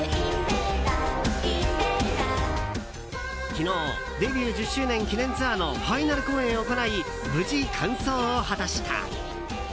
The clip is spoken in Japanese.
昨日デビュー１０周年記念ツアーのファイナル公演を行い無事、完走を果たした。